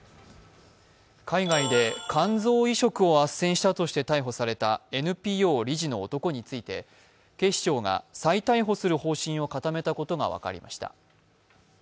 海外で肝臓移植をあっせんしたとして逮捕されたＮＰＯ理事の男について警視庁が再逮捕する方針を固めたことが分かりました。